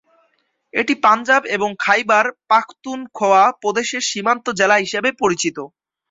এটি পাঞ্জাব এবং খাইবার পাখতুনখোয়া প্রদেশের সীমান্ত জেলা হিসেবে পরিচিত।